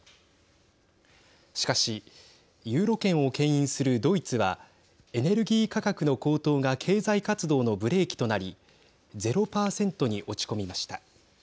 しかしユーロ圏をけん引するドイツはエネルギー価格の高騰が経済活動のブレーキとなり０％に落ち込みました。